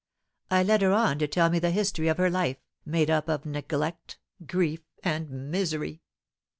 I led her on to tell me the history of her life, made up of neglect, grief, and misery.